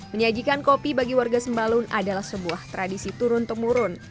menyajikan kopi bagi warga sembalun adalah sebuah tradisi turun temurun